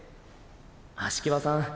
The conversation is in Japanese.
葦木場さん